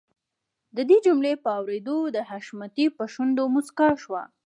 د دې جملې په اورېدلو د حشمتي په شونډو مسکا شوه.